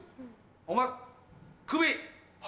お前クビ。は？